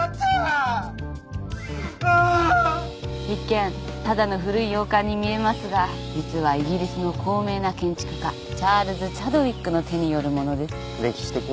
一見ただの古い洋館に見えますが実はイギリスの高名な建築家チャールズ・チャドウィックの手によるものです。